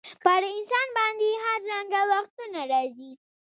پر انسان باندي هر رنګه وختونه راځي.